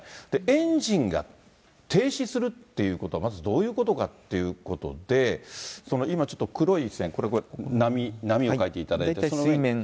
エンジンが停止するっていうことは、まずどういうことかっていうことで、今ちょっと、黒い線、これ波を描いていただいて、その上に。